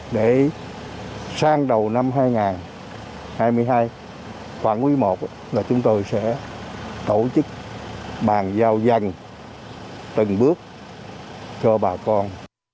để sang đầu năm hai nghìn hai mươi hai và quý i là chúng tôi sẽ tổ chức bàn giao dân từng bước cho bà con